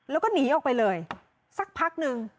แล้วก็หนีออกไปเลยสักพักนึง